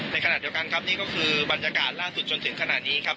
ขณะเดียวกันครับนี่ก็คือบรรยากาศล่าสุดจนถึงขณะนี้ครับ